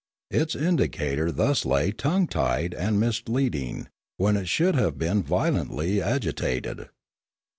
Its indicator thus lay tongue tied and misleading, when it should have been violently agi tated.